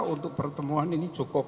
untuk pertemuan ini cukup